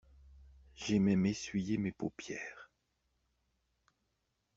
J'ai même essuyé mes paupières.